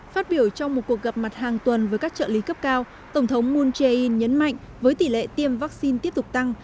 phát biểu trong một cuộc gặp mặt hàng tuần với các trợ lý cấp cao tổng thống moon jae in nhấn mạnh với tỷ lệ tiêm vaccine tiếp tục tăng